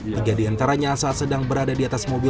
tiga di antaranya saat sedang berada di atas mobil